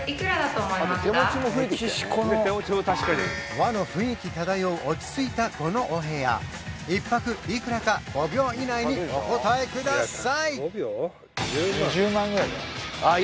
和の雰囲気漂う落ち着いたこのお部屋１泊いくらか５秒以内にお答えください！